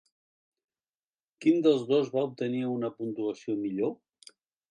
Quin dels dos va obtenir una puntuació millor?